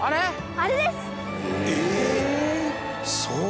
あれです。